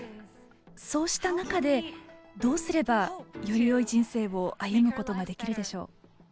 そうした中で、どうすればよりよい人生を歩むことができるでしょう。